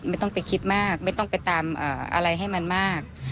ไม่ต้องไปคิดมากไม่ต้องไปตามอะไรให้มันมาก